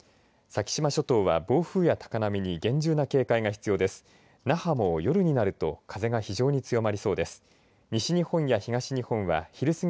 先島諸島は暴風や高波に厳重な警戒が必要です。